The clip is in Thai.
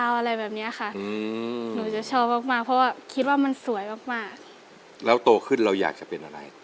วิทยาศาสตร์